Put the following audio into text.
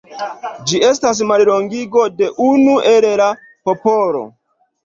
Ĝi estis mallongigo de "Unu el la popolo".